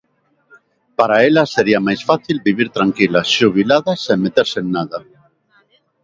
Para ela sería máis fácil vivir tranquila, xubilada, sen meterse en nada.